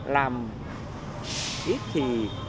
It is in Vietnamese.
làm ít thì